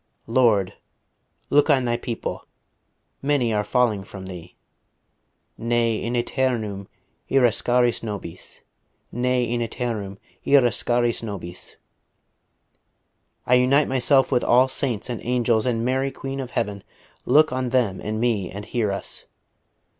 "Lord; look on Thy people. Many are falling from Thee. Ne in aeternum irascaris nobis. Ne in aeternum irascaris nobis.... I unite myself with all saints and angels and Mary Queen of Heaven; look on them and me, and hear us.